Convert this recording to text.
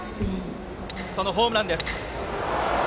そのホームランです。